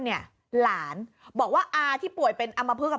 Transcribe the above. หลานบอกว่าอาที่ป่วยเป็นอำมพลึก